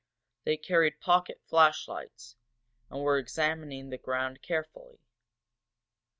They carried pocket flashlights, and were examining the ground carefully.